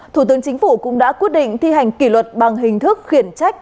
thủ tướng chính phủ cũng đã quyết định thi hành kỷ luật bằng hình thức khiển trách